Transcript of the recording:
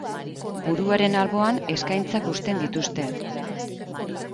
Buruaren alboan eskaintzak uzten dituzte.